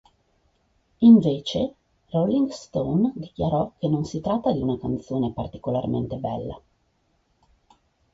Invece, "Rolling Stone" dichiarò che non si tratta di una canzone particolarmente bella.